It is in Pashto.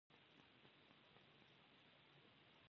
ایا ستاسو بند به خلاص شي؟